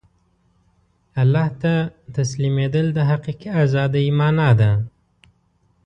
الله ته تسلیمېدل د حقیقي ازادۍ مانا ده.